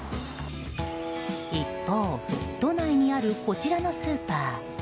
一方、都内にあるこちらのスーパー。